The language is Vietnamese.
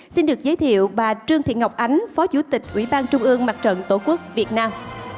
xin được giới thiệu bà trương thị ngọc ánh phó chủ tịch ủy ban trung ương mặt trận tổ quốc việt nam